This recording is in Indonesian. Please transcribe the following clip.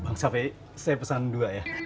bang safi saya pesan dua ya